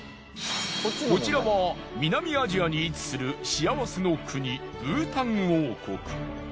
こちらは南アジアに位置する幸せの国ブータン王国。